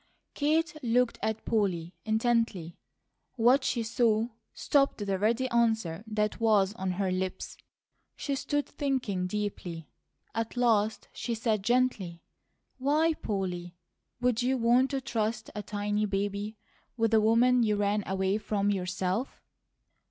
Kate looked at Polly intently. What she saw stopped the ready answer that was on her lips. She stood thinking deeply. At last she said gently: "Why, Polly, would you want to trust a tiny baby with a woman you ran away from yourself?"